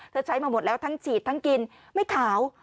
ใช้มาหมดแล้วทั้งฉีดทั้งกินไม่ขาว